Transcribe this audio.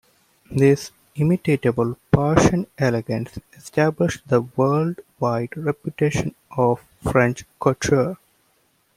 This inimitable Parisian elegance established the worldwide reputation of French couture.